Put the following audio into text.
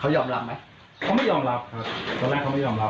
เขายอมรับไหมเขาไม่ยอมรับครับตอนแรกเขาไม่ยอมรับ